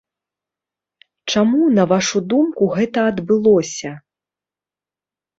Чаму, на вашу думку, гэта адбылося?